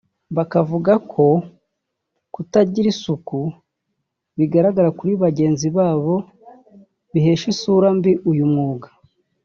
bakavuga ko kutagira isuku bigaragara kuri bagenzi babo bihesha isura mbi uyu mwuga